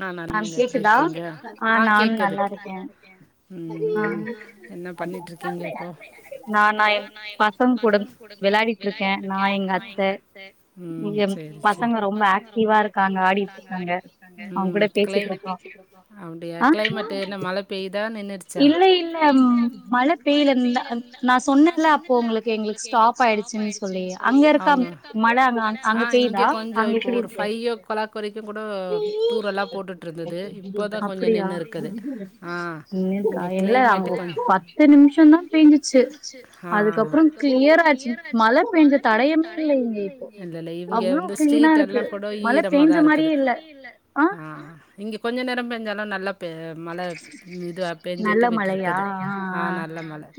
நான் நல்ல எப்டி இருக்கிங்க ஆ கேக்குது என்ன பண்ணிட்டு இருக்கீங்க இப்போ ம் சரி சரி உம்ஹ் கிளை அப்டியா க்ளைமேட் என்ன மழை பெய்யுதா நின்னுட்ச்சா ஆஹ் இங்க கொஞ்சம் ஒரு ஃபை ஓ கிளாக் வரைக்கும் கூட தூரலா போட்டுட்டு இருந்தது இப்பதான் கொஞ்ச நின்னுருக்குது ஆஹ் இங்க க்ளைமேட் கொஞ்சம் ஆஹ் இல்லை இங்க வந்து ஸ்ட்ரீட் எல்லா கூட ஈரமா தான் இருக்குது ஆஹ் இங்க கொஞ்ச நேரம் பேஞ்சாலும் நல்ல பெ மழை இது பெஞ்சுட்டு விட்டுருக்குது ஆஹ் நல்ல மழை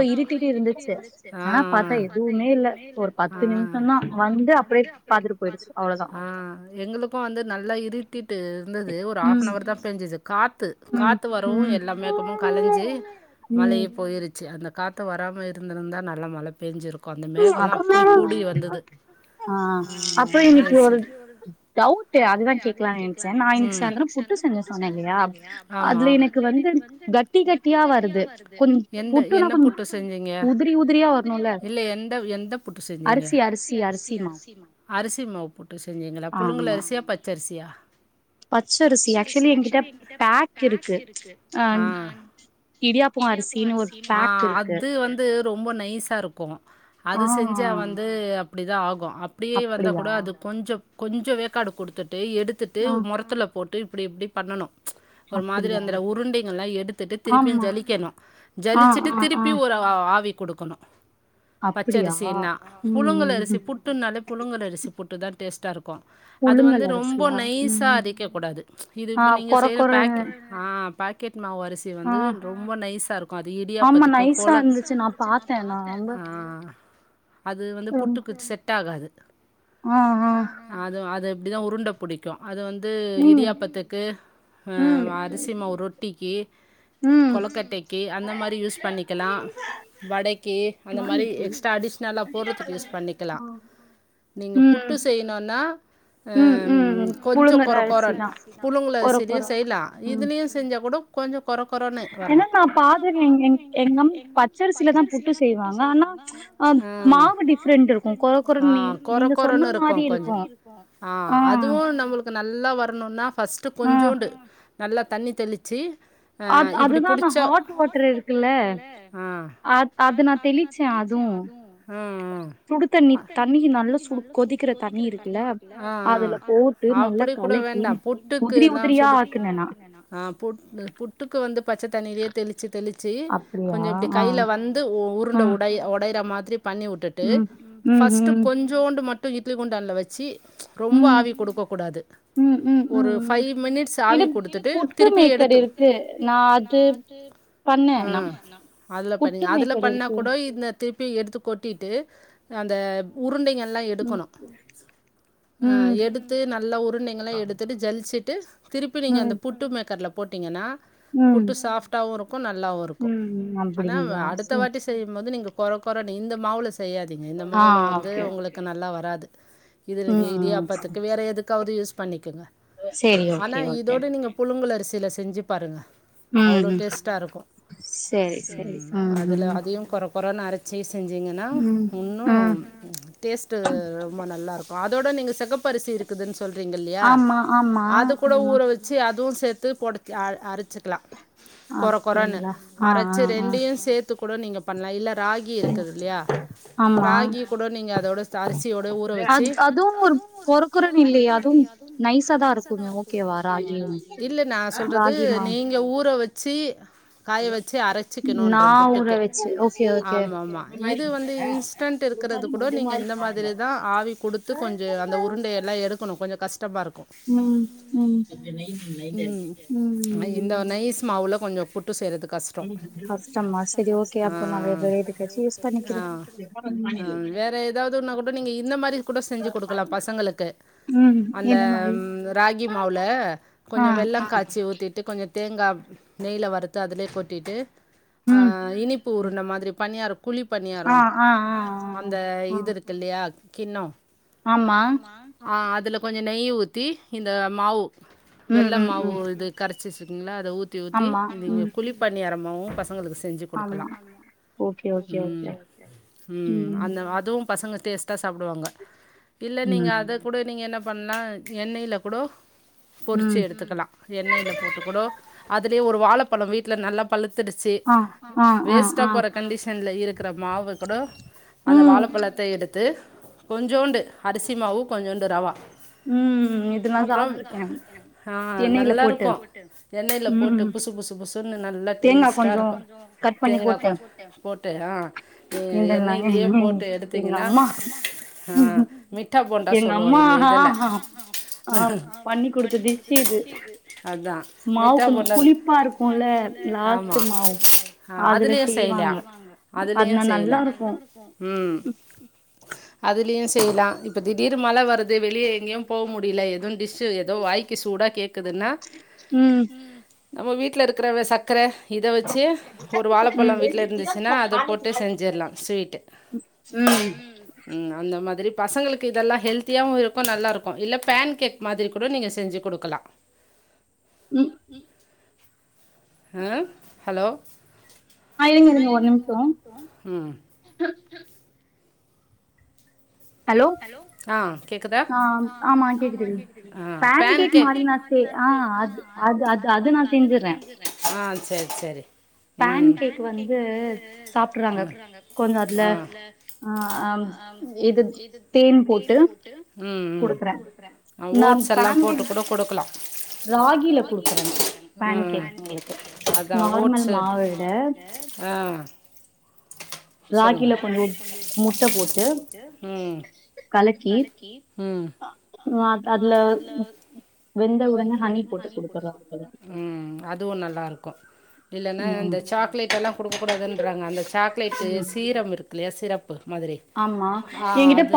அப் ஆஹ் ஹ ஆஹ் சும்மா வந்து அப்படியே பாத்துட்டு போயிடுச்சி நல்லா இருட்டிட்டு இருந்தது ஒரு ஆஃப்னவர் தான் பெஞ்சது காத்து காத்து வரவும் எல்லா மேகமும் கலஞ்சி மழையே போயிருச்சு அந்த காத்து வராம இருந்திருந்தா நல்லா மழை பேஞ்சிருக் கொஞ்ச மேகல்லாம் அப்டி கூடி வந்தது ஆமா அத யோசிச்சுட்டு ம் ஆமா எந்த என்ன புட்டு செஞ்சீங்க இல்ல எந் எந்த புட்டு செஞ்சீங்க அரிசி மாவு புட்டு செஞ்சீங்களா புழுங்கல் அரிசியா பச்சரிசியா ஆஹ் ஆ அது வந்து ரொம்ப நைஸாருக்கு அது செஞ்சா வந்து அப்டிதா ஆகு அப்டியே வந்தா கூட அது கொஞ்ச கொஞ்ச வேக்காடு கொடுத்துட் டு எடுத்துட்டு மொரத்துல போட் ட்டு இப்டி இப்டி பண்ணணு ஒரு மாதிரி அந்த உருண்டைகள் எல்லா எடுத்துட்டு திருப்பியு ஜலிக்கணு ஜலிச்சுட்டு திருப்பி ஒரு ஆவி குடுக்கணு அப்படியா உம் சி புட்டுனாலே புழுங்கல் அரிசி புட் ட்டுதா டேஸ்டா இருக்கு அது வந்து ரொம்ப நைசா அரைக்க கூடாது இது இப்ப நீங்க செய்யுற பாக் ஆஹ் பாக் மாவ் அரிசி வந்து ரொம்ப நைசா இருக்கும் அது இடியாப்பத்துக்கு கொல ஆஹ் அது வந்து பு ட்டுக்கு செட் ஆகாது அதும் அது தா உருண்ட புடிக்கு அது வந்து இடியாப்பத்துக்கு ஆஹ் அரிசி மாவு ரொட்டிக்கு கொளக்கட்டைக்கு அந்த மாரி யூஸ் பண்ணிக்கலா வடைக்கு அந்த மாரி எக்ஸ்ட்ரா அடிஷ்னலா போட்றதுக்கு யூஸ் ப பண்ணிக்கலா நீங்க புட்டு செய்யணுன்னா அம் கொஞ்ச கொர கொர புழுங்கல் அரிசிலயு செய்லா இதுலயும் செஞ்சா கூட கொஞ்ச கொற கொறனு வரணும் அஹ்ம் ஆஹ் கொற கொறன்னு இருக்கு கொஞ்சம் ஆஹ் அதுவும் நம்மளுக் நல்லா வரணும்னா ஃபர்ஸ்ட்டு கொஞ்சோண்டு நல்லா தண்ணி தெளிச்சி ஹ இப்படி புடிச்சா ஹா ம்ம் ஆஹ் ஆஹ் அப்படி கூட வேண்டா புட்டுக்கு எல்லாஹ் சுடு புட்டுக்கு வந்து பச்சை தண்ணியிலயே தெளிச்சு தெளிச்சு கொஞ்ச இப்படி கையில வந்து உருண்ட உடை உடையற மா பண்ணி விட்டுட்டு ஃபஸ்ட்டு கொஞ்சோன் மட்டும் இட்லி குண்டான்ல வச்சு ச் ரொம்ப ஆவி குடுக்க கூடாது. ஒரு ஃபைவ் மினிட்ஸ் ஆவி குடுத்துட்டு திருப்பி எடுத்து ஆஹ் அதுல பண்ணுங்க அதுல பண்ணா இந்த திருப்பி எடுத்து கொட்டிட்டு அந்த உருண்டைங்க லா எடுக்கணும் ஆஹ் எடுத்து நல்ல உருண்டைங்களா எடுத்துட்டு ஜலிச்சுட்டு திருப்பி நீங்க அந்த புட்டு மேக்கர்ல போட்டிங்கன்னா புட்டு சாஃப்டாவும் இருக்கும் நல்லாவும் இருக்கும் ஆனா அடுத்த வாட்டி செய்யும்போது நீங்க கொற கொறனு இந்த மாவுல செய்யா இந்த மாவுல வந்து உங்களுக்கு ந நல்லா வராது. இது நீங்க இடியாப்பத்துக்கு வேற எதுக் காவது யூஸ் பண்ணிக் கங்க ஆனா இதோட நீங்க புழுங்கள் அரி சில செஞ்சு பாருங்க அவ்ளோ டேஸ்டா இருக்கும் அதுல அதையும் கொற கொரோனா அரட்சி செஞ்சிங்கன்னா இன்னும் டேஸ்டு ரொம்ப ந நல்லா இருக்கும் அதோட நீங்க செகப்பரிசி இருக்குதுன்னு சொ சொல்றீங்க இல்லையா அது கூட ஊற வச்சு அதுவும் சேத்து பொடச்சி அ அரச்சிக்கலாம். கொற கொறன்னு அரச்சு ரெண்டையும் சேத்து கூட நீங்க பண்லாம் இல்ல ராகி இருக்குது இல்லையா ராகி கூட நீங்க அதோட ச அரிசியோட ஊற வச்சு இல்ல நா சொல்றது நீங்க ஊற வ சி காய வச்சு அரச்சிக்கணும்ன்றே புட்டுக்கு ஆமா ஆமா இது வந்து ன்ஸ் டிஃப்ரண்ட் இருக்கறது கூட நீங்க இந்த மாதிரி தான் ஆவி குடுத்து கொஞ்சோ அந்த உருண்டையெல்லாம் எ க்கனு கொஞ்சோ கஷ் உம் உம் உம் கொஞ்சோ ஃபுட் டு செய்றது கஷ்டோ ஆஹ் ஆஹ் ஆ வேற ஏதாவதுன்னா கூட நீங்க இந்த மாரி கூட செஞ்சு குடுக்கலா பசங்களுக்கு அந்த ராகி மாவுல கொஞ்சோ வெள்ளங் காச்சி ஊத்திட்டு கொஞ்சோ தேங்காவ் நெய்யில வருத்து அதுலயே கொட்டிட்டு ஆ இனிப்பு உருன மாதிரி பண்யாரோ குழி பண்யாரோ ஆ ஆ அந்த இதுருக்கு இல்லையா கின்னோ ஆமா ஆ அதுல கொஞ் ஞ்சோ நெய் ஊத்தி இந்த மாவ் வெள்ள மாவு இது கரேஸ் சி சிங்ளா த ஊத்தி ஊத்தி நீங்க குழி பண்யாரம் மாவு பசங்களுக்குஸ் செஞ்சு கொடுக்கலா உம் உம் அந்த அதுவு ம் பசங்க டேஸ்ட்டா சாப்டுவாங்க இல்ல நீங்க அத கூட நீங்க என்ன பண்ணா எண்ணெயில்ல கூட பொறிச்சு எடுத்துக்கலா எண்ணெயில போட்டுக்குடோ அது லே ஒரு வாழப்பழோ வீட்டல நல்லா பழுத்துடுச்சு வேஸ்டா போற கண்டிஷன்ல இரு க்கிரமாவு படோ அந்த வாழப்பழத்தே எடுத்து கொஞ்சோண்டு அரிசிமாவு கொஞ்சோண்டு ரவா அப்புறோ ஆ நல்லா இருக்கு எண்ணெய்யில போட்டு புசு புசு புசுன்னு நல்லா டேஸ்ட்டா இருக்கும் தேங்காகொ போ டு ஆ இந் எல்லாமே எங்க அம்மா எங்க அம்மாஹ ஆஹ ஆ பண்ணிகொடுத்த டிஸ்ஷு இது மாவு கொஞ் புளிப்பா இருக்குல லாஸ்ட் மாவு அதுல செய்வாங்க செய்லா உம் அதுலேயு செய்லா இப்ப திடீரு மழ வரு து வெளியே எங்கேயு போ முடியில எதுவு டிஸ் ச்சு எதோ வாய்க்கு சூடா கேக்குதுன்னா உம் நம்ம வீட்ல இருக்கற வே சக்கர இதை வச்சு ஒரு வாழைப்பழம் வீட்ல இருந்துச்சுனா அத போட் டு செஞ்சிலா ஸ்வீட்டு உம் உம் அந்த மாதிரி பசங்களுக்கு இதெல்லா ஹெல்த்தியாவு இருக்கு நல்லா இருக்கு இல்ல பேன் கேக் மாதிரி கூட நீங்க செஞ்சு குடுக்கலா உம் ஹ ஹலோ ஆ இருங்க இருங்க ஒரு நிமிஷோ ஷோ உம் ஆ கேக்குதா பேன் கேக் அ சேரி சேரி பேன் கேக் வந்து சாப்டுறாங்க கொஞ்சோ அதுல ஆஹ் அம் இது உம் உம் ஓட்ஸ் எல்லா போட்டு கூட குடுக்கலா உம் அதா ஓட்ஸ்சு அ சொல்லுங்க உம் உம் உம் அதுவு நல்லா இருக் க இல்லனா இந்த சாக்லேட் எல்லா குடுக்கக் கூடாதுன்றாங்க அந்த சாக்லேட் து சீரம் இருக்குல்லயா சிரப் போது மதுரை ஆ அது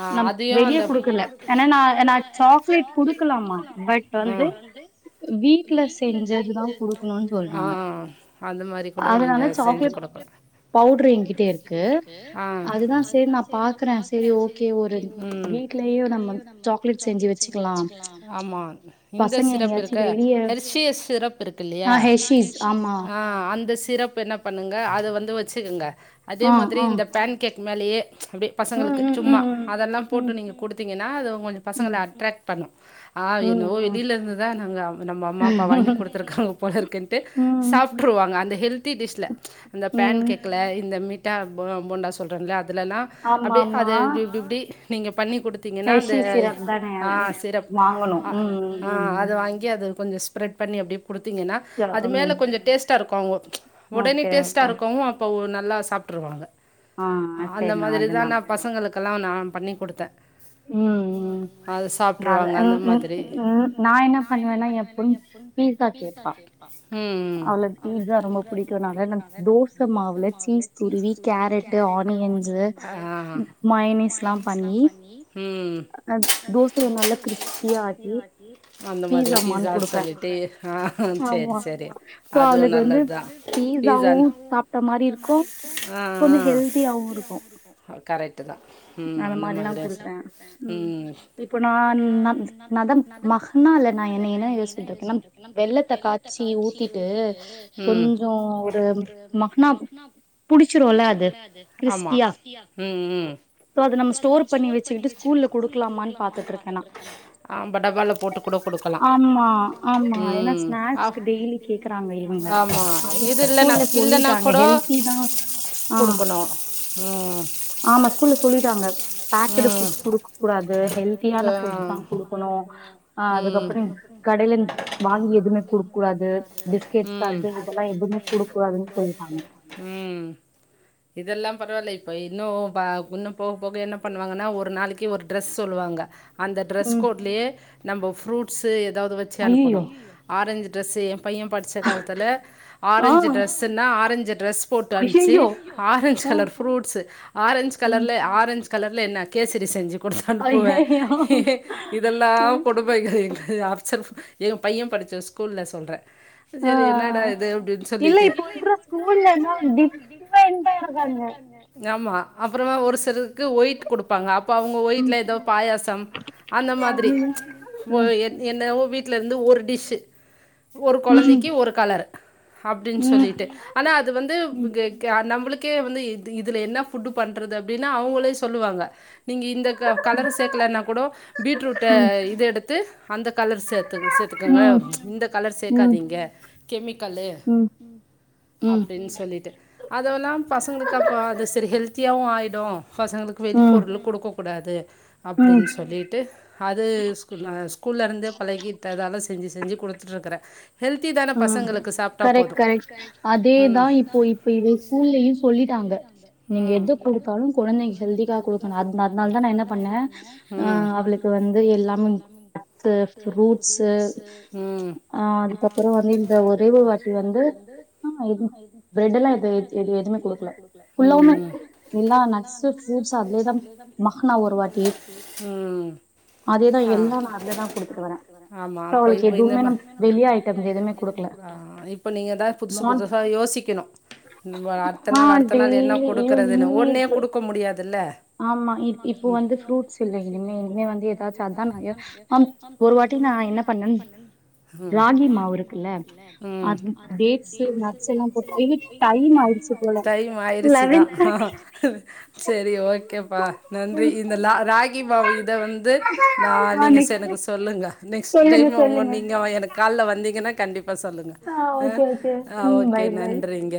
ஆ அதையு அந்த உம் அ அ அ அந்த மாரி குடுத் ஆனா சாக்லேட் பவுடர் எங்கிட் ஆ உம் ஆமா இந்த சிரப் இருக்க ஹெர்ஸிஸ் சிரப் இருக்கில்லீயா ஆ அந்த சி என்ன பண்ணுங்க அது வந்து வச்சுகங்க அதே மாதிரி இந்த பேன் கேக் மேலேயே அப்டியே பசங்களுக்கு சும்மா அதெல்லா போட்டு நீங்க குடுத்தீங்கனா அதுவு கொஞ்சோ பசங்கள அட்ராக்ட் பண்ணு ஆஹ் என்னவோ வெளியில இருந்து தா நாங்க நம்ம அம்மா அப்பா வாங்கி குடுத்துருக்காங்க போல இருக்குன்டு சாப்ட்டுருவாங்க அந்த ஹெல் தி திஸ்ல அந்த பேன் கேக்ல இந்த மிட் ட்டா போ போண்டா சொல்லிறங்கிள்ள அதுலெல்லா அப்டியே அத இப் இப் இப்டி நீங்கப் பண்ணி குடுத்தீங்கின்னா அந்த [unintelligible] அஹா சிரப் ஹ வாங்குனு ம் ஹா அத வாங்கி கொஞ்சு ஸ்பெரட் பண்ணி அப்டியே குடுத்தீங்கின்னா அது மேலே கொஞ்ச டேஸ்ட்டா இருக்கு அவுங் உடனே டேஸ்ட்டா இருக்கவும் அப்போ க்கு நல்லா சாப்புட்டுருவாங்க அந்த மாதிரிதா நா பசங்களுக் க்கல்லா நான் பண்ணி குடுத்தே உம் ம் நா அத உம் ம் உம் ம் நா என்ன பண்ணுவேன்னா எ பொண் பீஸ்சா கேப்பா அவுளுக் பீஸ்சா ரொம்ப புடிக் எனக் புடிக்குன்னுங்கா நம் தோச மாவுல சீஸ் துருவி கேரட்டு ஆனியன் ஹ அஹா மைனீஸ்லா பண்ணி உம் [inaudible] கிரீப்ஸியா ஆகி அந்த மாரி பீஸ்சான் சொல்லிட்டு ஹா ஹ சேர் சேர் அதுவு நல்லத்தா பீஸான் பீஸாவு சாப்புட்ட மாரி இருக்கு அஹா ஹ கொஞ்ச ஹெல்தியாவு இருக்கு கரெக்ட் ட்டுதா உம் அந்த மாரி சாப் நல்லா குடுத்தே உம் இப்ப நான் [unintelligible] நதம் மகுனால்லா நா என்னை என்ன யோசுட்டு இருக்கனம் வெள்ளத்த காய்ச்சி ஊத்திட்டு உம் கொஞ்சோ ஒரு மகுன்னாப் புலுச்சுருல்ல அது ஆம்மா கிரீப்ஸியா உம் அப்புறோ அத நம் ஸ்டோர் பண்ணி வெச்சுட்டு ஸ்கூல்ல குடுக்குல்லாமன் பாத்துட்ருக்கே [unintelligible] ஆம் படப்பால்ல போட்டு கூட குடுக்குல்லா ஆம்மா உம் ஆப் ஸ்னேக்ஸ் டெயிலி கேக்குறாங்க ஆம்மா அதும் ஸ்கூல்ல சொல்லிட்டாங்க ஹெல்த்திதா அஹா உம் ஆம்மா ஸ்கூல்ல சொல்லிட்டாங்க பேக்கெட்டு ஃபுட்ஸ் குடுக்கூடாது ஹெல்தியான ஃபுட்ஸ்தா குடுக்கணு அதுக்கப்புறம் கடையின் வாங்கி எதுவுமே குடுக்கூடாது பிஸ்கேட்ஸ் அது இதெல்லாம் அதுலா எதும் குடுக்கூடாது சொல் உம் இதெல்லாம் பரவாயில்ல இப்ப இன்னு பா இன்னும் போக போக என்ன பண்ணுவாங்குன்னா ஒரு நாளைக்கே ஒர் ட்ரெஸ் சொல்லுவாங்க அந்த ட்ரெஸ் கோட்லியே நம்ப ஃப்ரூட்ஸ்சு எதாவுது வெச்சு அனுப்புனும் ஆரஞ்சு ட்ரெஸ்சேம் பையிய படிச்ச காலத்துல ஆரஞ்சு ட்ரெஸ்சுன்னா ஆரஞ்சர் ட்ரெஸ் போட்டு வந்ச்சு ஆரஞ்ச் கலர் ஃப்ரூட்ஸ் ஆரஞ்ச் கலர்ல ஆரஞ்ச் கலர்ல என்ன கேசரி செஞ்சு கொடுச்சு அனுப்புவேன் இதெல்லாம் கொடுப்பாய்ங்க எங்க ஆர்ச்ச எம் பையன் படிச்ச ஸ்கூல்ல சொல்றேன் செரி என்னடா இது இல்ல இப்ப இருக்குற ஸ்கூல்ல எல்லா டிஃப்ரெண்ட்டா இருக்காங்க ஆமா அப்புறமா ஒரு சிலர் க்கு ஒயிட் குடுப்பாங்க அப்ப அவுங்க ஒயிட்ல எதோ பாயாசம் அந்த மாதிரி ப்ச் ஓ என் - என்னவோ வீட் ட்ல இருந்து ஒரு டிஷ்ஷு ஒரு கொழந்தைக்கு ஒரு கலர் அப்டின் சொல்லிட்டு ஆனா அது வந்து ம் க க நம்பளுக் க்கே வந்து இது - இதுல என்ன ஃபுட்டு பண்றது அப்பிடின்னா அவுங்களே சொல்லுவாங்க நீங்க இந்த க - கலர சேக்கலன்னா கூடோ பீட்ரூட்ட இது எடுத்து அந்த கலர் சேத்துங் - சேத்துக்குங்க ச்ச் இந்த கலர் சேக்காதீங்க கெமிக் க்கலு ம் அப்டின் சொல்லிட்டு அதெல்லா பசங்களுக் அப்ப அது செரி ஹெல்த் த்தியாவு ஆய்டு பசங்களுக்கு வெளி பொருள்ல்லா குடுக்க கூடாது அப்டின் சொல்லிட்டு அது ஸ்கூ அ ஸ்கூல்ல இருந்து பழகிட்டதால செஞ்சு செஞ்சு குடுத்துட்டுருக்கறே ஹெல்த்தி தான பசங்களுக் கு சாப்ட்டா போது கரெக்ட் கரெக்ட் ம் அதே தா இப்போ - இப்போ இங்க ஸ்கூல்ல யு சொல்லிட்டாங்க உம் நீங் எது குடுத்தாலும் கொழந்தைங்களுக் ஹெல்தியா குடுக்கணு அதா - அத்னால நா என்ன பண்ணேன் ம் அ அவளுக்கு வந்து எல்லாமும் [unintelligible] ஃப்ரூட்ஸு உம் அ அப்புறோ வந்து இந்த நா ஒரு ஒரே வாட்டி வந்து ம் அதுக்கு ப்ரெட்டெல்லா வக்க இத் எதுவுமே குடுக்கல ம் ம் எல்லா நட்ஸு ஃப்ரூட்ஸு அப்டியே தா [unintelligible] ம் [inaudible] ஆமா அப்ப இது இல்லாம எதுவுமே நமக்கு ட்டம்ஸ் எதுமே குடுக்கல அ இப்போ நீங்க தா புதுசு புதுசா யோசிக்கிணு ம் அ அடுத்த நாள் அடுத்த நாள் என்ன குடுக்குறதுன்னு ஒன்னே குடுக்க முடியாதுல்ல ஆமா இப் - இப்போ வந்து ஃப்ரூட்ஸ் இல்ல இனிமே - இனிமே வந்து எதாச்சு அதா நா ஆம் ஒரு வாட்டி நா என்ன பண்ணன் ராகி மாவு இருக்குல்ல ருக்கு ல்ல ம் அதுல டேட்ஸ் நட்ஸெல்லா போட்டு [unintelligible] டைம் ஆயிச் டைம் ஆயிருச்சு தா செரி ஓக் ஓகே பா நன்றி இந்த ல ராகி மாவு இத வந்து நா நீங்க ச எனக்கு சொல்லுங்க நெக்ஸ்ட்டு டைம் அவங்க நீங்க எனக்கு கால்ல வந்தீங்கன்னா கண்டிப் பா சொல்லுங்க ஆ ஓகே நன்றிங்க